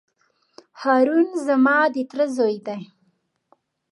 هارون زما د تره زوی دی.